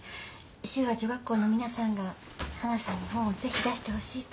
修和女学校の皆さんがはなさんに本を是非出してほしいと。